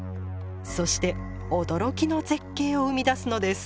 そして驚きの絶景を生み出すのです。